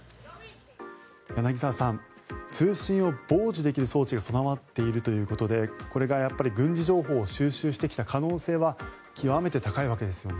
柳澤さん通信を傍受できる装置が備わっているということでこれが軍事情報を収集してきた可能性は極めて高いわけですよね。